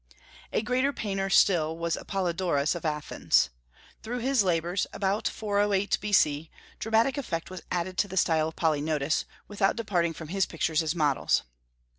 A greater painter still was Apollodorus of Athens. Through his labors, about 408 B.C., dramatic effect was added to the style of Polygnotus, without departing from his pictures as models.